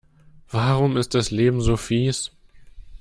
Warum ist das Leben so fieß?